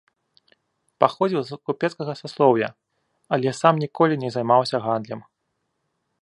Паходзіў з купецкага саслоўя, але сам ніколі не займаўся гандлем.